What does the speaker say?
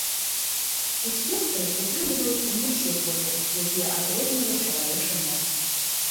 У спектры ўтрымліваюцца не ўсе колеры, якія адрознівае чалавечы мозг.